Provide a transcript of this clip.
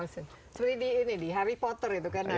seperti di harry potter itu kan ada